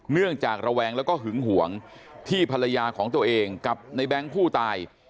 ระแวงแล้วก็หึงห่วงที่ภรรยาของตัวเองกับในแบงค์ผู้ตาย